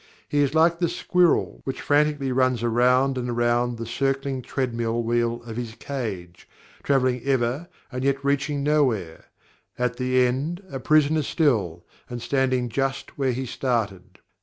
He is like the squirrel which frantically runs around and around the circling treadmill wheel of his cage, traveling ever and yet reaching nowhere at the end a prisoner still, and standing just where he started.